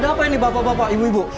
ada apa ini bapak bapak ibu ibu